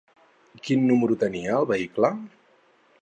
Quin número tenia el vehicle?